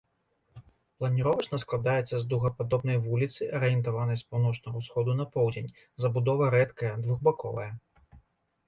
Планіровачна складаецца з дугападобнай вуліцы, арыентаванай з паўночнага ўсходу на поўдзень, забудова рэдкая, двухбаковая.